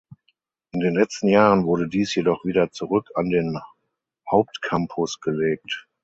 In den letzten Jahren wurde dies jedoch wieder zurück an den Hauptcampus gelegt.